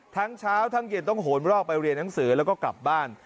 ทั้งเช้าทั้งเย็นต้องโหนรอกไปเรียนหนังสือแล้วก็กลับบ้าน